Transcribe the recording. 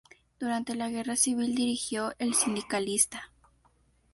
Durante la Guerra Civil dirigió "El Sindicalista'.